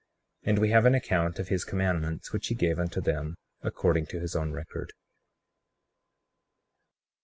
And we have an account of his commandments, which he gave unto them according to his own record.